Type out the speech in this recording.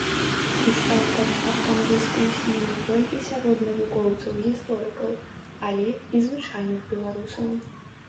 І стаў пачаткам дыскусіі не толькі сярод навукоўцаў-гісторыкаў, але і звычайных беларусаў.